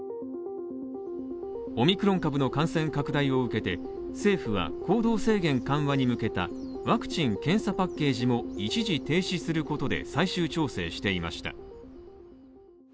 オミクロン株の感染拡大を受けて政府は行動制限緩和に向けたワクチン検査パッケージも一時停止することで最終調整していました。